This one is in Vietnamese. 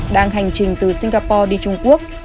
đang hành trình từ singapore đi trung quốc